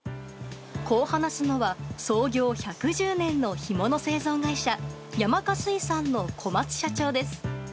こう話すのは、創業１１０年のひもの製造会社、ヤマカ水産の小松社長です。